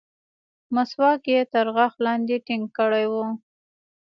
مسواک يې تر غاښ لاندې ټينګ کړى و.